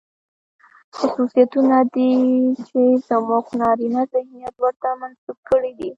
خصوصيتونه دي، چې زموږ نارينه ذهنيت ورته منسوب کړي دي.